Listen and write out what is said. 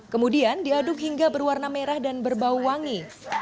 kemudian diaduk hingga berwarna merah dan berbau wangi